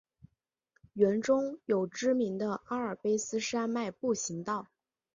园中有知名的阿尔卑斯山脉步行道。